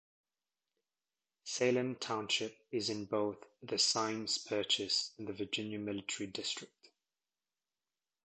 Salem Township is in both the Symmes Purchase and the Virginia Military District.